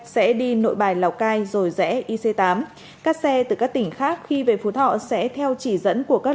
sẽ đi nội bài lào cai rồi rẽ ic tám các xe từ các tỉnh khác khi về phú thọ sẽ theo chỉ dẫn của các